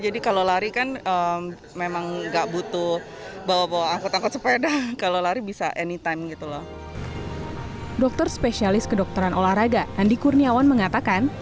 dokter spesialis kedokteran olahraga andi kurniawan mengatakan